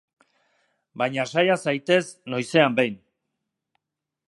Baina saia zaitez noizean behin.